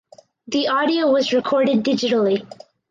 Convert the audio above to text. The audio was recorded digitally.